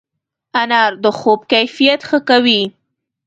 انار د خوب کیفیت ښه کوي.